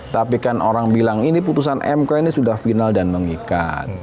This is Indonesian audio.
tapi kan orang bilang ini putusan mk ini sudah final dan mengikat